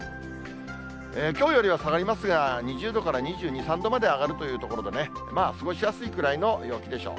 きょうよりは下がりますが、２０度から２２、３度まで上がるというところでね、まあ、過ごしやすいくらいの陽気でしょう。